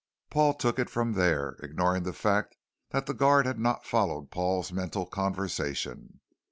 Paul took it from there, ignoring the fact that the guard had not followed Paul's mental conversation.